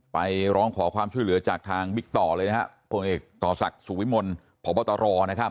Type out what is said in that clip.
ไปร้องขอความช่วยเหลือจากทางบิ๊กต่อเลยนะฮะพลเอกต่อศักดิ์สุวิมลพบตรนะครับ